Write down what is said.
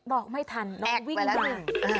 บอกไม่ทันน้องก็วิ่งมา